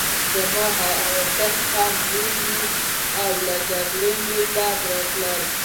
زما عواطف هم لوړ وو او له جګړې مې بد راتلل